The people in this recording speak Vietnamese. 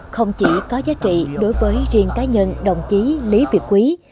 không chỉ có giá trị đối với riêng cá nhân đồng chí lý việt quý